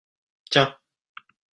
Tiens